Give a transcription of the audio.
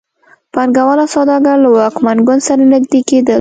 پانګوال او سوداګر له واکمن ګوند سره نږدې کېدل.